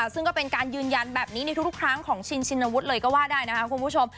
ซึ่งก็เป็นการยืนยันแบบนี้ในทุกครั้งของชินชินวุฒิเลยก็ว่าได้นะคะคุณผู้ชม